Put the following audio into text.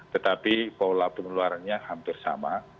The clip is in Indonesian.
tetapi pola penularannya hampir sama